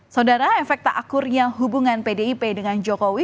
saudara efek tak akurnya hubungan pdip dengan jokowi